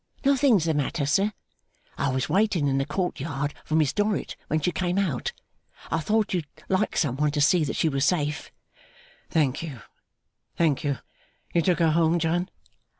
'Nothing's the matter, sir. I was waiting in the court yard for Miss Dorrit when she came out. I thought you'd like some one to see that she was safe.' 'Thank you, thank you! You took her home, John?